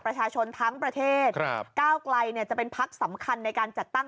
ประชาชนทั้งประเทศก้าวไกลจะเป็นพักสำคัญในการจัดตั้ง